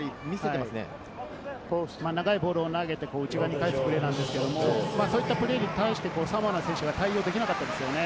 長いボールを投げて、内側に返すプレーなんですけれど、そういったプレーに対して、サモアの選手が対応できなかったですよね。